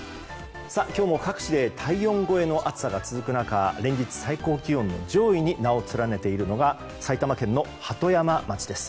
今日も各地で体温超えの暑さが続く中連日、最高気温の上位に名を連ねているのが埼玉県の鳩山町です。